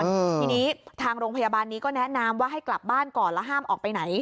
ทีนี้ทางโรงพยาบาลนี้ก็แนะนำว่าให้กลับบ้านก่อนแล้วห้ามออกไปไหน